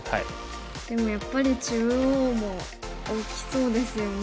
でもやっぱり中央も大きそうですよね。